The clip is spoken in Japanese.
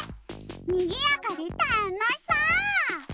にぎやかでたのしそう！